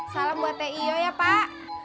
salam buat tio ya pak